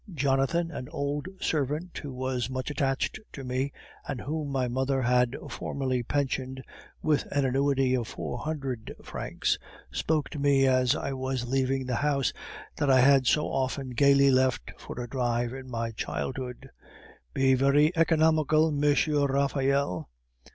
Jonathan, an old servant who was much attached to me, and whom my mother had formerly pensioned with an annuity of four hundred francs, spoke to me as I was leaving the house that I had so often gaily left for a drive in my childhood. "'Be very economical, Monsieur Raphael!